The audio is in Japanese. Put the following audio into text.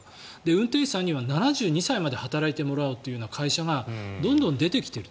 運転手さんには７２歳まで働いてもらおうという会社がどんどん出てきている。